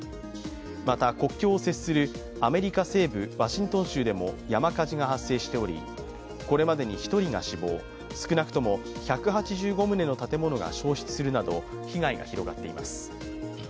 また国境を接するアメリカ西部・ワシントン州でも山火事が発生しておりこれまでに１人が死亡少なくとも１８５棟の建物が焼失するなど被害が広がっています。